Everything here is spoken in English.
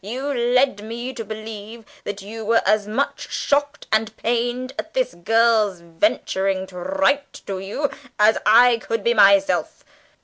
You led me to believe that you were as much shocked and pained at this girl's venturing to write to you as I could be myself.